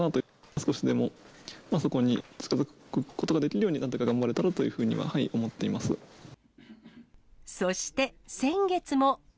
少しでもそこに近づくことができるように、なんとか頑張れたらとそして先月も。